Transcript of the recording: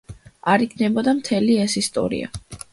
არ იქნებოდა მთელი ეს ისტორია.